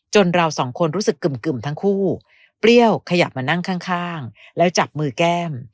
เราสองคนรู้สึกกึ่มทั้งคู่เปรี้ยวขยับมานั่งข้างแล้วจับมือแก้ม